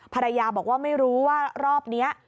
ภรรยาบอกว่าไม่รู้ว่ารอบนี้